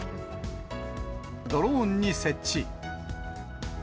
ドローンに設置。